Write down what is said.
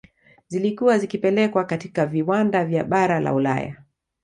Zilikuwa zikipelekwa katika viwanda vya bara la Ulaya